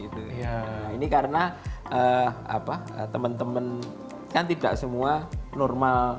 nah ini karena temen temen kan tidak semua normal